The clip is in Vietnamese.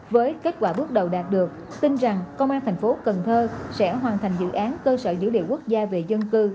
với kết quả bước đầu đạt được tin rằng công an thành phố cần thơ sẽ hoàn thành dự án cơ sở dữ liệu quốc gia về dân cư